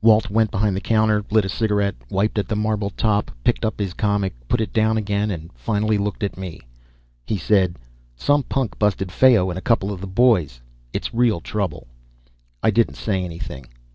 Walt went behind the counter, lit a cigaret, wiped at the marble top, picked up his comic, put it down again and finally looked at me. He said: "Some punk busted Fayo and a couple of the boys. It's real trouble." I didn't say anything.